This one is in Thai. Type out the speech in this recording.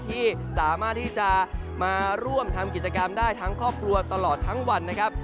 ที่สามารถที่จะมาร่วมทำกิจกรรมได้ทั้งครอบครัวตลอดทั้งวันนะครับ